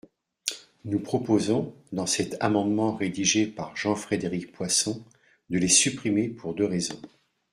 Nous proposons, dans cet amendement rédigé par Jean-Frédéric Poisson, de les supprimer, pour deux raisons.